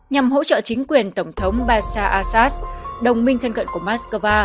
nhằm hỗ trợ chính quyền tổng thống bashar al assad đồng minh thân cận của moscow